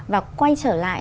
và quay trở lại